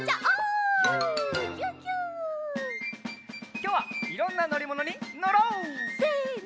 きょうはいろんなのりものにのろう！せの。